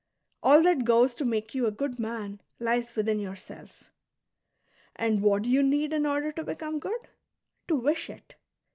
All that goes to make you a good man lies within yourself. And what do you need in oi der to become good } To wish it.